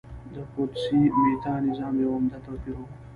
د پوتسي میتا نظام یو عمده توپیر و